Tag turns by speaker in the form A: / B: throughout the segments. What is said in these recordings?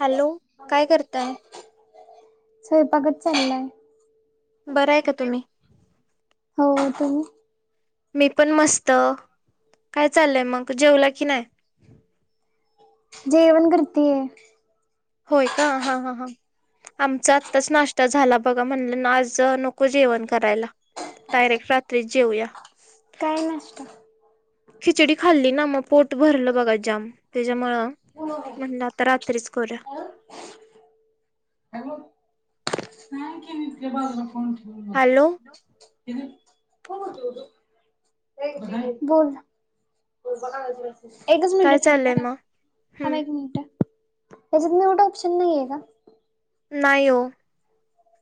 A: Hello! काय करताय?
B: स्वयंपाकच चाललाय.
A: बरं आहे का तुम्ही.
B: हो तुम्ही.
A: मी पण मस्त काय चाललंय मग जेवला की नाही?
B: जेवन करतेय‌.
A: होय का हा ह ह आमचा आत्ताच नाश्ता झाला बघा म्हणलं ना आज नक नको जेवण करायला डायरेक्ट रात्रीच जेऊया.
B: काय नाष्टा.
A: खिचडी खाल्ली ना मग पोट भरलं बघा जाम त्याच्यामुळं म्हल आ रात्रीच करूया.
B: [unintelligible]
A: हॅलो
B: बोल. एकच
A: काय
B: मिनटं थांब हा
A: चाललंय मग
B: थांब एक
A: हम्म
B: मिनिट याच्यात म्यूट ऑप्शन नाहीे आहे का?
A: नाही हो.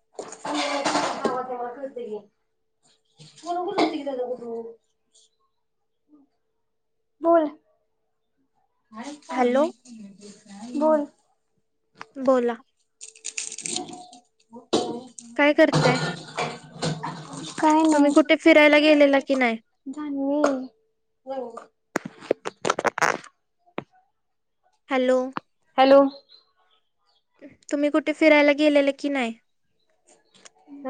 B: [unintelligible] बोल.
A: हॅलो
B: बोल.
A: बोला.
B: हम!
A: काय करताय?
B: काय
A: तुम्ही कुठे फिरायला गेलेला की नाही?
B: हॅल्लो! हॅलो!
A: हॅलो!
B: हॅलो!
A: तुम्ही कुठे फिरायला गेलेलं की नाही?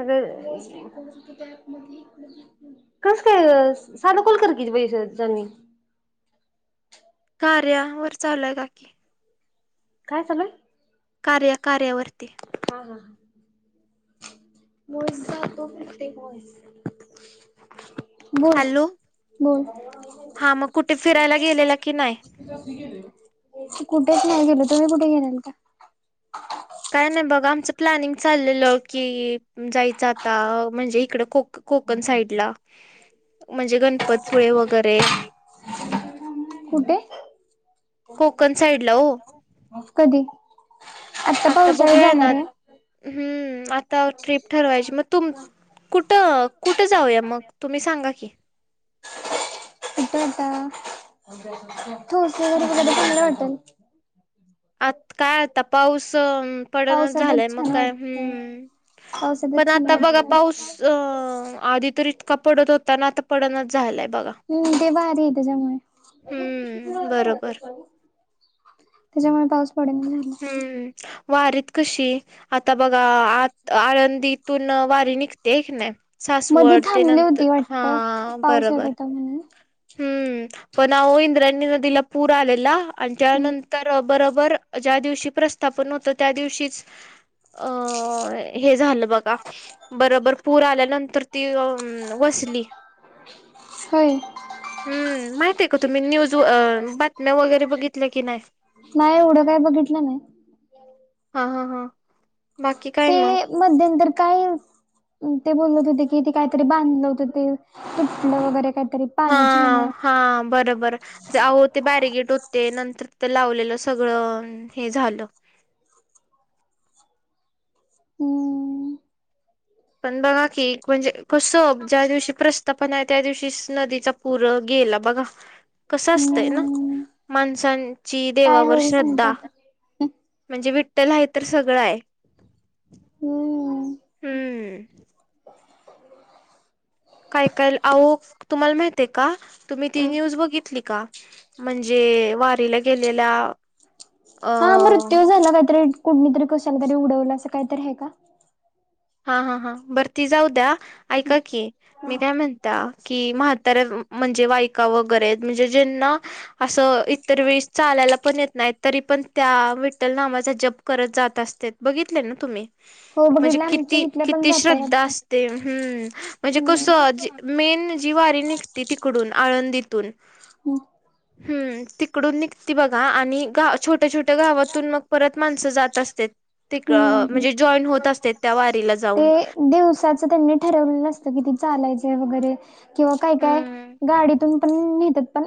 B: अग कस काय ग साधा कॉल कर की!
A: कार्या वर चालय का?
B: काय चालू आहे.
A: कार्य कार्या वरर्ती.
B: हा हा व्हॉईस जातो म्हणते वाईस.
A: हॅलो! हा मग कुठे फिरायला गेलेला कि नाही?
B: कुठेच नाही गेल तुम्ही कुठे गेलेलात का?
A: काय नाही बघा आमचं प्लॅनिंग चाललेलं की जायचं. आता म्हणजे इकड कोक-कोकण साईड ला म्हणजे गणपतपुळे वगैरे.
B: कुटे?
A: कोकण साईडला हो
B: म कधी?
A: आता
B: पावसाळ्यात
A: बघूया ना
B: जाणार आहे.
A: हूं आता ट्रीप ठरवायची मग तुम कुठं, कुठं जाऊया मग तुम्ही सांगा की.
B: कुठ होता [unintelligible] चांगलं होटेल.
A: आत काय आता पाऊस. पडना
B: पावसातच
A: झालंय मग
B: छान
A: काय
B: वाटत
A: हूं पण
B: पावसातच छान
A: आता बघा
B: वाटत.
A: पाऊस अ आधी तरी इतका पडत होता ना, आता पडनाच झालाय बघा.
B: हूं ते भारीय त्यांच्यामुळे. [unintelligible]
A: हम्म बरोबर
B: त्याच्यामुळे पाऊस पडेन.
A: हूं वारीत कशी आता बघा आत आळंदीत तून वारी निघते एक ना.
B: मधी
A: सासवडते
B: थांबली
A: नंत
B: होती
A: हा
B: वाटत पाऊस येत
A: बरबर.
B: होता म्हणून.
A: हूं पण अहो इंद्रायनी न दिला पूर आलेला, आणि
B: हम्म
A: त्यानंतर बरबर ज्या दिवशी प्रस्थापन होत त्या दिवशीच अ हे झालं ब घा का बरबर पूर आल्यानंतर ती अ वसली.
B: होय!
A: हूं माहित आहे का तुम्ही न्यूज अ बातम्या वगैरे बघितल्या की नाही?
B: नाही एवढं काय बघितलं नाही.
A: हा हा हा बाकी
B: ते
A: काय मग.
B: मध्यंतर काय ते बोलत होते कि ते काहीतरी बांधलं होत ते सुटलं वगैरे काहीतरी
A: हा
B: पाण्याच्या ह्यानी.
A: हा बर बर. अहो ते बॅरिगेट होते नंतर ते लावलेलं सगळं हे झालं.
B: [inaudible]
A: पण बघा की म्हणजे कसं ज्या दिवशी प्रस स्तापण आहे त्या दिवशीच नदीचा पूर गेला बघा. कसं असतंय ना
B: हम्म
A: माणसांची
B: काय
A: देवावर
B: होईल सांगता
A: श्रद्धा.
B: आता
A: म्हणजे विठ्ठल आहे तर सगळं आहे.
B: हूं
A: हूं! काय, कायल अहो तुम्हाला माहित का, तुम्ही ती न्यूज बघितली का? म्हणजे वारीला गेलेल्या अ
B: हा मृत्यू झाला काहीतरी कुणीतरी कशानतरी उडवलं असं काहीतरी आहे का?
A: हा हा हा बरती जाऊ द्या ऐका की मी काय म्हणता की माहं तर म्हणजे वायका वगैरे म्हणजे ज्यांना असं इतर वेळीस चालायला पण येत नाहीत. तरी पण त्या विठ्ठल नामाचा जप करत जात असत्यात बघितले ना तुम्ही.
B: हो बघितल आम्ही.
A: ती किती श्रद्धा असते हूं म्हणजे कस आजी मेन जी वारी निगती तिकडून आळंदीतून
B: ह [inaudible]
A: हूं तिकडून निघती बघा आणि गा छो ट्या छोट्या गावातून मग परत माणसं जात असत्यात तिक
B: हम्म.
A: म्हणजे जॉईन होत असत्यात. वारीला जाऊन
B: दिवसाचं त्यांनी ठरवलं नसतं किती चालायचे वगैरे किंवा काय, काय
A: हम्म.
B: गाडीतून पण नेतेत पण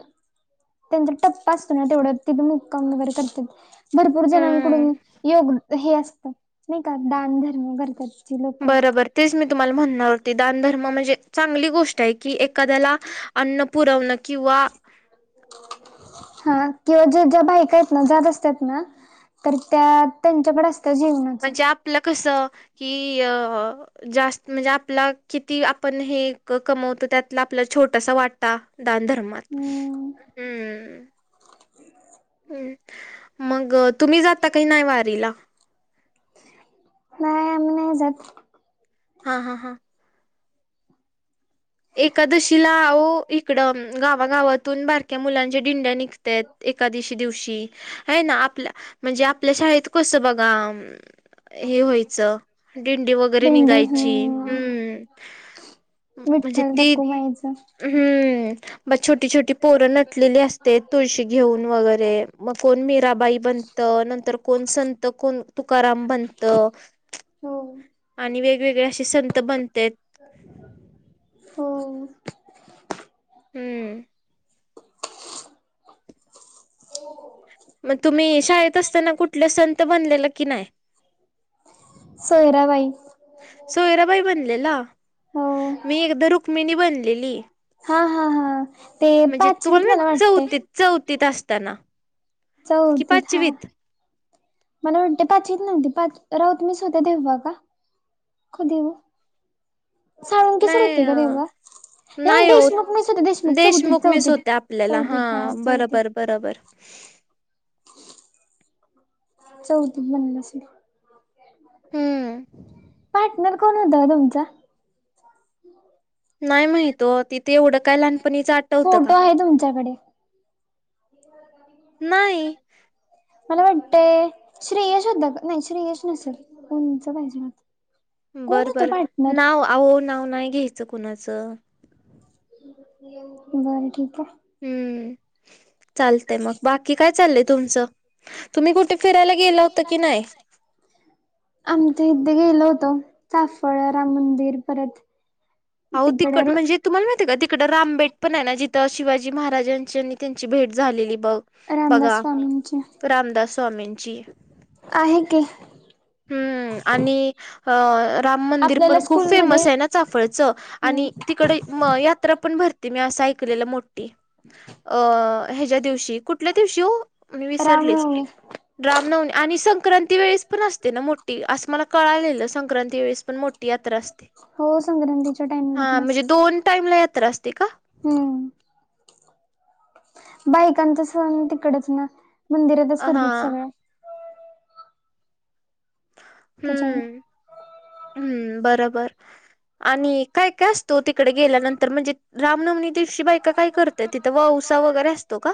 B: त्यांचा टप्प असतो ना तेवढं तिथे मुक्काम वगैरे करते भरपूर जणांकडून
A: हम्म.
B: योग हे असत नाही का दान धर्म करतात ती लोक
A: बरोबर तेच मी तुम्हाला म्हणणार होते दान धर्म म्हणजे चांगली गोष्ट आहे की एखाद्याला अन्न पुरवणं किंवा [unintelligible]
B: हा ते ज्या, ज्या बायका आहेत ना जात असतात ना तर त्या त्यांच्याकडे असतं जीवण
A: म्हणजे आपलं कसं कि अ जास्त म्हणजे आपला किती आपण हे कमवतो त्यातला आपला छोटसा वाटा दान धर्मात
B: हम्म
A: हम्म ह मग तुम्ही जाता की नाही वारीला
B: ह आम्ही नाही जात
A: हा, हा, हा एकादशीला आओ इकडं गावागावातून बारक्या मुलांचे डिंड्या निघत्यात एकादशी दिवशी आहे ना आपल्या म्हणजे आपल्या शाळेत कसं बघा हे व्हायचं दिंडी वगैरे निघायची हम्म म्हणजे
B: विठ्ठल
A: ती
B: रखुमाईच
A: हम्म छोटी छोटी पोरं नटलेली असतेत तुळशी घेऊन वगैरे मग कोण मीराबाई बनत नंतर कोण संत कोण तुकाराम बनत
B: हो
A: आणि वेगवेगळे असे संत बनतेत
B: हो
A: हम्म
B: हो
A: मग तुम्ही शाळेत असताना कुठलं संत बनलेला की नाही
B: सोयराबाई
A: सोयराबाई बनलेला
B: हो
A: मी एकदा रुक्मिणी बनली एली
B: हा हा हा ते
A: म्हणजे तुम्हाला
B: पाचवीत
A: माहिती
B: मला
A: का
B: वाटतय
A: चौथीत, चौथीत असताना कि
B: चौथीत हा
A: पाचवीत
B: मला वाटते पाचवीत नव्हती पाच राऊत मीस होते तेव्हा का? कधी ओ साळुंखे सर
A: नाही
B: होते का
A: अ
B: तेव्हा
A: नाही हो
B: देशमुख मिस होते चौथीत
A: देशमुख मिस
B: चौथीत
A: होत्या आपल्याला हा
B: चौथीत चौथीत
A: बरोबर बरोबर
B: चौथीत बनले असेल
A: हम्म
B: पाठ पार्टनर कोण होता ओ तुमचा
A: नाही माहित ओ तिथे एवढं काय लहानपणीचं आठवतं का
B: फोटो आहे तुमच्याकडे [unintelligible]
A: नाही
B: मला वाटत श्रेयश होता का नाही श्रेयश नसेल उणच पाहिजे होता
A: बरं बर नाव अहो नाव नाही घ्यायचं कुणाचं
B: तुझ्या आणि ठीक हाय.
A: हूं चालते मग बाकी काय चाललंय तुमचं तुम्ही कुठे फिरायला गेला होतां की नायं [inaudible]
B: आमच्या इथे गेलो होतो चाफळ राम मंदिर परत
A: अहो तिक
B: तिकडे र
A: म्हणजे तुम्हाला माहितीये का तिकडं रामबेट पण हाय ना जिथं शिवाजी महाराजांच्या नि त्यांची भेट झालेली बघ
B: रामदास
A: बघा
B: स्वामींचे
A: रामदास स्वामींची
B: आहे की
A: हम्म आणि अ राम मंदिर
B: आपल्याला
A: पण खूप
B: स्कूलमध्ये
A: फेमस ये ना चाफळचं
B: हम्म
A: आणि तिकडे म यात्रा पण भरती मी असं ऐकलेला मोठी अ ह्याज्या दिवशी कुठल्या दिवशी ओ मी विसरलेच
B: रामनवमी
A: रामनवनी आणि संक्रांती वेळेस पण असते ना मोठी असं मला कळालेलं संक्रांती वेळेस पण मोठ ठी यात्रा असते
B: हो संक्रांतीच्या टाइमलाच
A: हा म्हणजे
B: नसते
A: दोन टाइम ला यात्रा असते का?
B: हम्म बायकांच सण तिकडच ना मंदिरातच
A: हा
B: करत्यात सगळं
A: [inaudible]
B: त्याच्यामुळे
A: हम्म बरोबर आणि काय काय असतो तिकडे गेल्यानंतर म्हणजे रामनवनी दिवशी बाय तिथ काय करत्या तिथं ववसा वगैरे असतो का?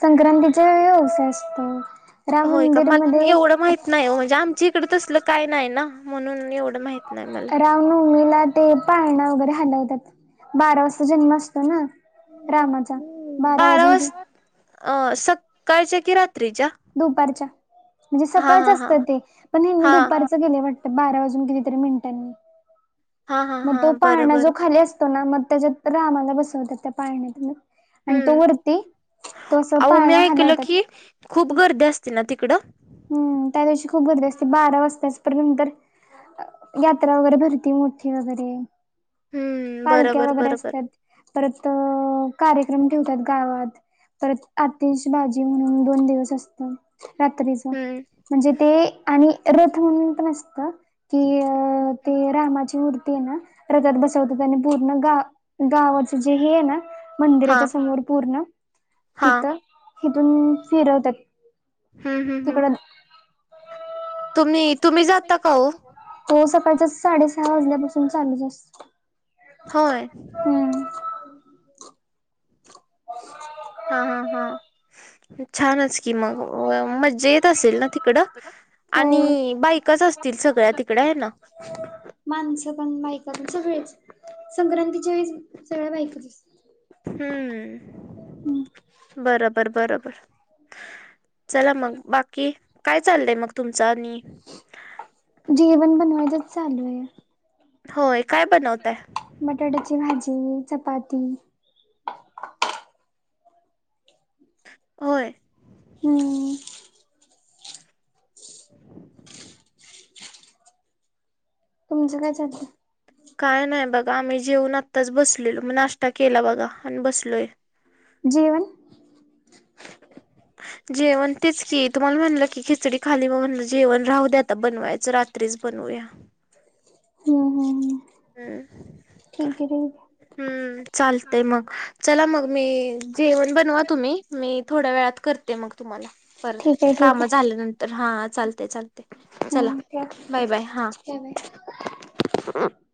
B: संक्रांतीचा ववसा असतो राम मंदिरमध्ये
A: नाय ओ म्हणजे आमच्या इकडे तसलं काय नाय ना म्हणून एवढं माहित नाही मला.
B: राम नऊमीला ते पाळणा वगैरे हलवतात बारा वाजता जन्म असतो ना रामाचा बारा वाजून गे
A: अ सकाळच्या की रात्रीच्या
B: दुपारच्या म्हणजे
A: हा
B: सकाळच
A: हा हा
B: असतं ते पण हे
A: हा
B: दुपार चं केलं वाटतं बारा वाजून कितीतरी मिनिटांनी
A: हा हा
B: म तो
A: हा
B: पाळणा जो
A: बरोबर
B: खाली असतो ना म त्याच्यात रामाला बसवतात त्या पाळण्यात म आणि तो
A: हम्म
B: वरती तो असं
A: अहो मी
B: पाळणा
A: ऐकलं
B: हालवतात.
A: की खूप गर्दी असते ना तिकडं
B: हम्म त्या दिवशी खूप गर्दी असते बारा वाजताचं परत नंतर यात्रा वगैरे भरती मोठी वगैरे
A: हम्म
B: पालख्या
A: बरोबर
B: वगैरे
A: बरोबर
B: असत्यात. परत अ कार्यक्रम ठेवत्यात गावात परत आतिश भाजी म्हणून दोन दिवस असत रात्र
A: हम्म
B: म्हणजे ते आणि रथ म्हणून पण असत. की अ ते रामाची मूर्ती ये ना रथात बसवतात आणि पूर्ण गाव गावाच जे हे ये न
A: हा
B: मंदिराच्या समोर पूर्ण
A: हा
B: तिथं इथून फिरवतात.
A: हूं हूं हूं
B: तिकड
A: तुम्ही तुम्ही जाता का ओ
B: तो सकाळचचं साडेसहा वाजल्यापासून चालूच असत.
A: होय.
B: हूं
A: हा हा हा छानच की मग मज्जा येत असेल ना ती कुड
B: हो
A: आणि बायकच असतील सगळ्या तिकड हाय ना?
B: माणसं पण बायक पण सगळेच संक्रांतीच्या वेळेस सगळ्या बायकच.
A: हम्म बरोबर बरोबर. चला मग, बाकी काय चाललंय मग तुमचं आणि?
B: जेवण बनवायचंच चालू आहे.
A: होय काय बनवताय?
B: बटाट्याची भाजी, चपाती
A: होय.
B: हम्म. तुमचं काय चाललं?
A: काय नाही बघा आम्ही जेऊन आत्ताच बसलेलो नाश्ता केला बघा आणि बसलोय.
B: जेवन
A: जेवण तेच की तुम्हाला म्हणलं की खिचडी खाली मग म्हणलं जेवण राहू द्या आता बनवायचं रात त्रिच बनूया.
B: हम् हम हम्.
A: हम्म.
B: [unintelligible]
A: हम्मं चालतय मगं चला मगं मी जेवणं बनवा तुम्हीं मी थोड्या वेळात करते, मगं तुम्हांला परत
B: ठीक आहे ठीक आहे ठीक
A: कामं
B: आहे.
A: झाल्यानंतर. तर हा चालतय चालतय चला
B: हम्म ठेवा.
A: बाय बाय हा.
B: [inaudible]